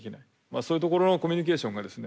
そういうところのコミュニケーションがですね